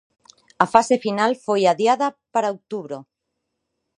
A fase final foi adiada para outubro.